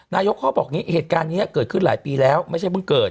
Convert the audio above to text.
นายกเขาบอกอย่างนี้เหตุการณ์นี้เกิดขึ้นหลายปีแล้วไม่ใช่เพิ่งเกิด